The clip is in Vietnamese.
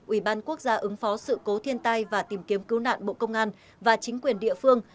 ủy ban quốc gia ứng phó sự cố thiên tai và tìm kiếm cứu nạn bộ công an và chính quyền địa phương